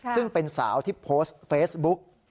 ซึ่งเป็นสาวที่โพสต์เฟซบุ๊ก